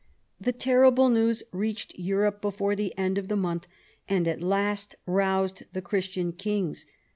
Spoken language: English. The terrible news reached Europe before the end of the month, and at last roused the Christian kings.